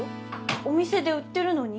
お店で売ってるのに？